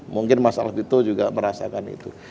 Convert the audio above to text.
mungkin mas alfito juga merasakan itu